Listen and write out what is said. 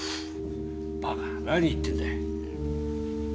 ばか、何言ってんだよ。